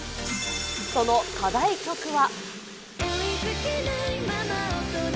その課題曲は。